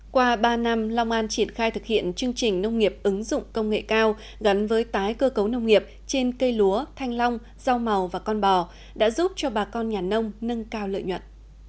qua ba năm long an triển khai thực hiện chương trình nông nghiệp ứng dụng công nghệ cao gắn với tái cơ cấu nông nghiệp trên cây lúa thanh long rau màu và con bò đã giúp cho bà con nhà nông nâng cao lợi nhuận